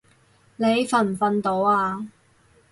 你瞓唔瞓到啊？